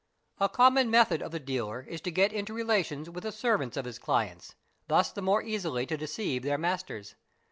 A common method of the dealer is to get into relations with the servants of his clients, thus the more easily to deceive their masters.